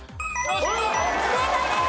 正解です。